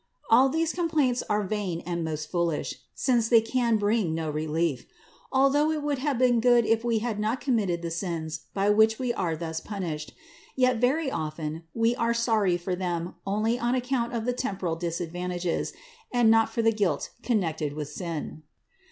All these complaints are vain and most foolish, since they can bring no relief. Although it would have been good if we had not committed the sins by which we are thus punished, yet very often we are sorry for them only on account of the temporal disadvantages, and not for the guilt connected with sin.